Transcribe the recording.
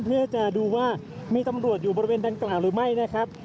เพื่อจะดูว่ามีตำรวจอยู่บริเวณดังกล่าวหรือไม่นะครับ